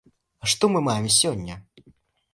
А што мы маем сёння?